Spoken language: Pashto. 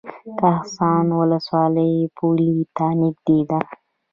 کهسان ولسوالۍ پولې ته نږدې ده؟